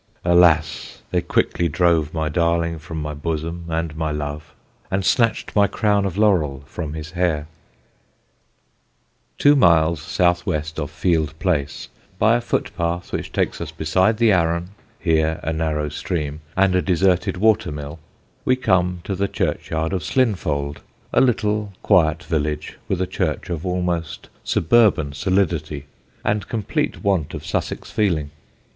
Alas! they quickly drove My darling from my bosom and my love, And snatched my crown of laurel from his hair." [Illustration: Cottages at Slinfold.] [Sidenote: SLINFOLD] Two miles south west of Field Place, by a footpath which takes us beside the Arun, here a narrow stream, and a deserted water mill, we come to the churchyard of Slinfold, a little quiet village with a church of almost suburban solidity and complete want of Sussex feeling.